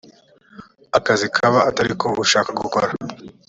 akazi kaba atari ko ushaka gukora